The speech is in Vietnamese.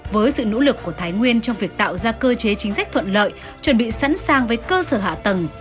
với sự nỗ lực của thái nguyên trong việc tạo ra cơ chế chính sách thuận lợi chuẩn bị sẵn sàng với cơ sở hạ tầng